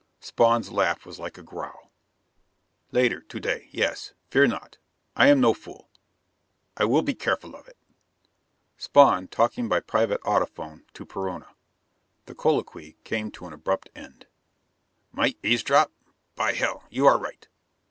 Spawn's laugh was like a growl. "Later to day, yes. Fear not! I am no fool. I will be careful of it." Spawn, talking by private audiphone, to Perona. The colloquy came to an abrupt end. "... Might eavesdrop? By hell, you are right!"